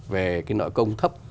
về cái nội công thấp